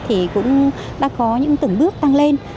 thì cũng đã có những tửng bước tăng lên